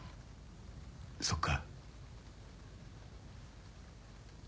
そっか。